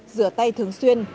rửa tay thường xuyên